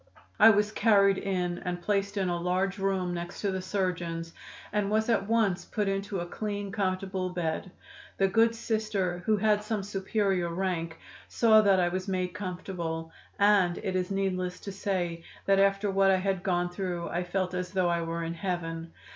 "I was carried in and placed in a large room next to the surgeon's, and was at once put into a clean, comfortable bed. The good Sister, who had some superior rank, saw that I was made comfortable, and, it is needless to say, that after what I had gone through, I felt as though I were in heaven.